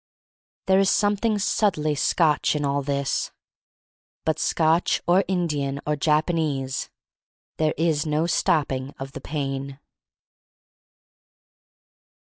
There is something subtly Scotch in all this. But Scotch or Indian or Japanese, there is no stopping of the pain.